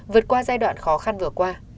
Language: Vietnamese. vượt qua giai đoạn khó khăn vừa qua